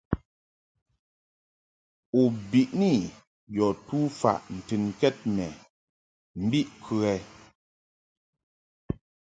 U biʼni yɔ tufaʼ ntɨnkɛd mɛ mbiʼ kə ?